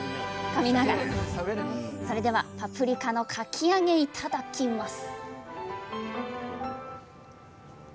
それではパプリカのかき揚げいただきます！